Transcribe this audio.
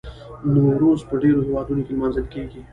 نوروز په ډیرو هیوادونو کې لمانځل کیږي.